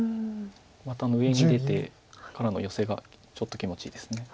また上に出てからのヨセがちょっと気持ちいいです。